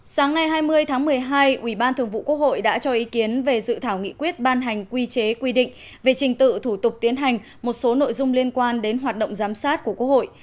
sáng nay hai mươi tháng một mươi hai ủy ban thường vụ quốc hội đã cho ý kiến về dự thảo nghị quyết ban hành quy chế quy định về trình tự thủ tục tiến hành một số nội dung liên quan đến hoạt động giám sát của quốc hội